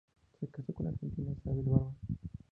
Se casó con la argentina Isabel Barba.